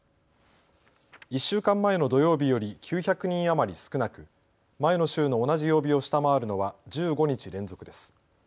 １週間前の土曜日より９００人余り少なく前の週の同じ曜日を下回るのは１５日連続です。